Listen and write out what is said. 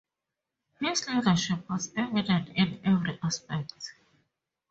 His leadership was evident in every aspect.